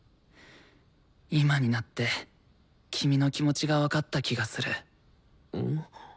今になって君の気持ちが分かった気がする。